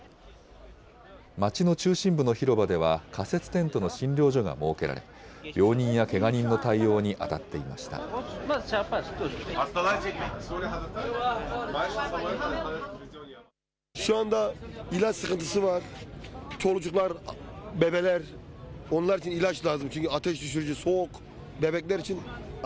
町の中心部の広場では、仮設テントの診療所が設けられ、病人やけが人の対応に当たっていました。